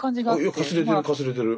いやかすれてるかすれてる。